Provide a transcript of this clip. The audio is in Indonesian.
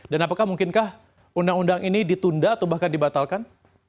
dan apakah mungkinkah undang undang ini ditunda atau bahkan dibatalkan